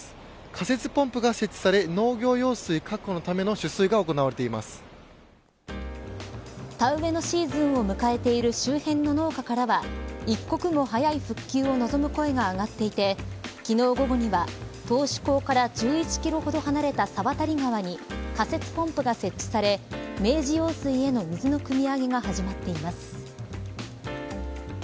仮設ポンプが設置され農業用水確保のための田植えのシーズンを迎えている周辺の農家からは一刻も早い復旧を望む声が上がっていて昨日、午後には頭首工から１１キロほど離れた猿渡川に仮設ポンプが設置され明治用水への水のくみ上げが始まっています。